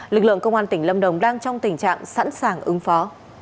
lực lượng công an tỉnh lâm đồng đang trong tình trạng sẵn sàng ứng phó